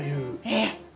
えっ！